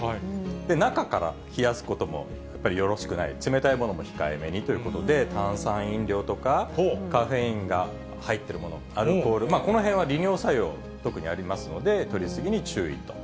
中から冷やすことも、やっぱりよろしくない、冷たいものも控えめにということで、炭酸飲料とか、カフェインが入ってるもの、アルコール、このへんは利尿作用、特にありますので、とりすぎに注意と。